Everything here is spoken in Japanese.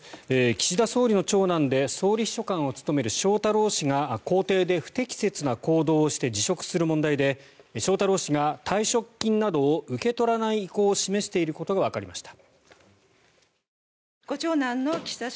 岸田総理の長男で総理秘書官を務める翔太郎氏が公邸で不適切な行動をして辞職する問題で翔太郎氏が退職金などを受け取らない意向を示していることがわかりました。